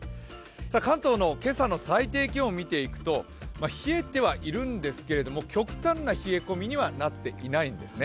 関東の今朝の最低気温を見ていくと冷えてはいるんですが、極端な冷え込みにはなっていないんですね。